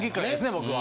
僕は。